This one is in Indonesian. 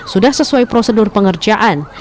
sudah sesuai prosedur pengerjaan